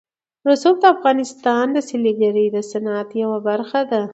رسوب د افغانستان د سیلګرۍ د صنعت یوه برخه ده.